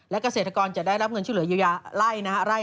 และเกษตรกรจะได้รับเงินชุดเหลือยาวไร่นะครับ